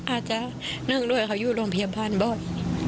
อาจจะนั่งด้วยเขาอยู่โรงพยาบาลบ่อย